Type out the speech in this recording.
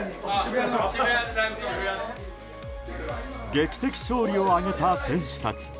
劇的勝利を挙げた選手たち。